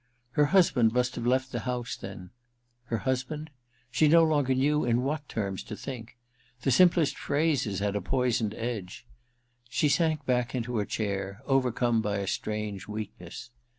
Her husband must have left the house, then — her husband? She no longer knew in what terms to think : the simplest phrases had a poisoned edge. She sank back into her chair, overcome by a strange weakness.